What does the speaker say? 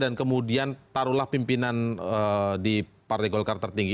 dan kemudian taruhlah pimpinan di partai golkar tertinggi